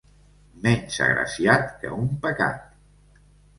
Menys agraciat que un pecat.